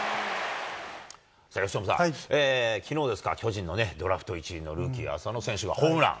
由伸さん、きのうですか、巨人のドラフト１位のルーキー、浅野選手がホームラン。